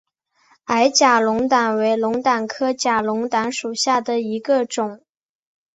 矮假龙胆为龙胆科假龙胆属下的一个种。